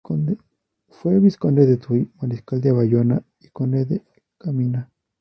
Fue Vizconde de Tuy, Mariscal de Bayona y Conde de Caminha.